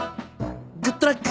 グッドラック！